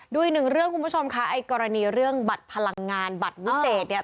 ดูอีกหนึ่งเรื่องคุณผู้ชมค่ะไอ้กรณีเรื่องบัตรพลังงานบัตรวิเศษเนี่ย